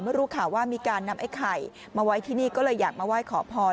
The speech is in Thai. รู้ข่าวว่ามีการนำไอ้ไข่มาไว้ที่นี่ก็เลยอยากมาไหว้ขอพร